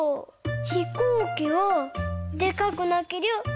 ひこうきはでかくなけりゃ